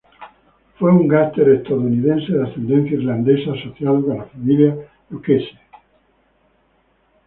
Fue un gánster estadounidense de ascendencia irlandesa, asociado con la Familia Lucchese.